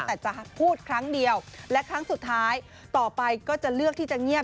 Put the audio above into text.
แต่จะพูดครั้งเดียวและครั้งสุดท้ายต่อไปก็จะเลือกที่จะเงียบ